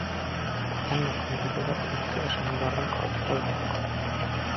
Әммә күңелебеҙҙә элекке ышаныуҙарҙың ҡалдығы ла юҡ.